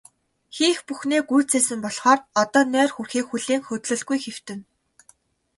Хийх бүхнээ гүйцээсэн болохоор одоо нойр хүрэхийг хүлээн хөдлөлгүй хэвтэнэ.